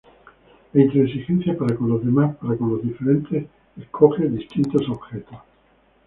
La intransigencia para con los demás, para con los diferentes escoge distintos "objetos".